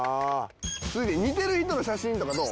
続いて似ている人の写真とかどう？